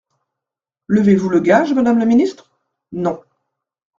Levez-vous le gage, madame la ministre ? Non.